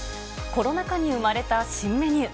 コロナ禍に生まれた新メニュー。